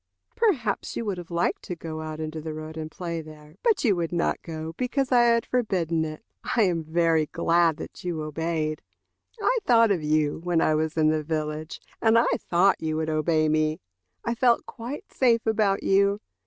Perhaps you would have liked to go out into the road and play there, but you would not go because I had forbidden it. I am very glad that you obeyed. I thought of you when I was in the village, and I thought you would obey me. I felt quite safe about you.